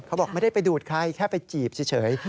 บอกไม่ได้ไปดูดใครแค่ไปจีบเฉย